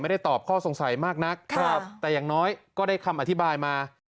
ตอบข้อสงสัยมากนักแต่อย่างน้อยก็ได้คำอธิบายมา